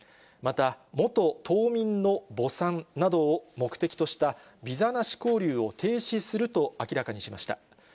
また、元島民の墓参などを目的としたビザなし交流を停止すると明らかにしました。